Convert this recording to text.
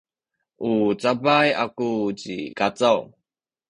u cabay aku ci Kacaw.